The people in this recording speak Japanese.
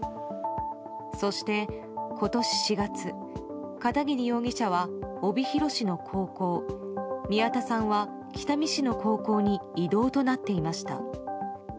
そして今年４月片桐容疑者は帯広市の高校宮田さんは北見市の高校に異動となっていました。